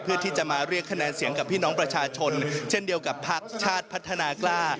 เพื่อที่จะมาเรียกคะแนนเสียงกับพี่น้องประชาชนเช่นเดียวกับพักชาติพัฒนากล้า